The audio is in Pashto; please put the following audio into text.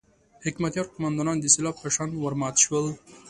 حکمتیار قوماندانان د سېلاب په شان ورمات شول.